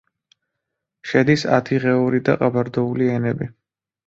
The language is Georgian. შედის ადიღეური და ყაბარდოული ენები.